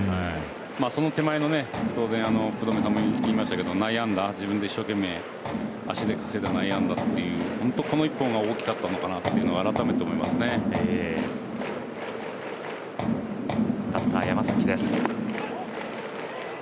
その手前の福留さんも言いましたけど内野安打、自分で一生懸命、足で稼いだ内野安打というこの１本が大きかったとバッター山崎です。